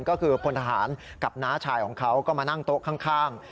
ก็คือพลทหารกับน้าชายของเขาก็มานั่งโต๊ะข้าง